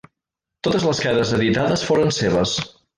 Totes les cares editades foren seves.